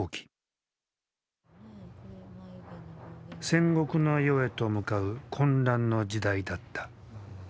戦国の世へと向かう混乱の時代だった。